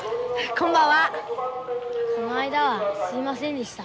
この間はすいませんでした。